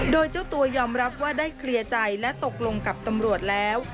โดยเจ้าตัวยอมรับว่าได้เคลียร์ใจและตกลงกับตำรวจแล้ว